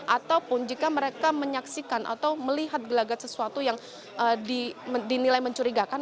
ataupun jika mereka menyaksikan atau melihat gelagat sesuatu yang dinilai mencurigakan